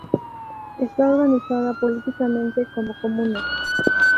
Está organizada políticamente como Comuna.